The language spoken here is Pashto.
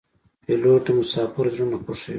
پیلوټ د مسافرو زړونه خوښوي.